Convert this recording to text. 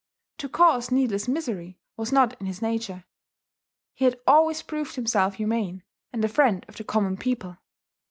To cause needless misery was not in his nature: he had always proved himself humane, and a friend of the common people.